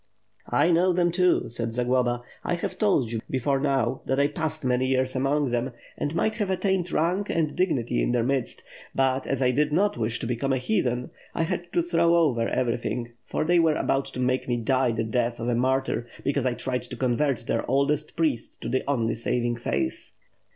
"I know them too," said Zagloba. "I have told you, be fore now, that I passed many years among them, and might have attained rank and dignity in their midst; but, as I did not wish to become a heathen, I had to throw over every thing, for they were about to make me die the death of a martyr, because I tried to convert their oldest priest to the only saving faith."